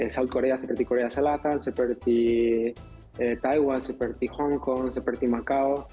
south korea seperti korea selatan seperti taiwan seperti hong kong seperti macau